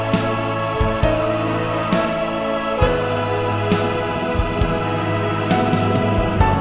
ya allah ya allah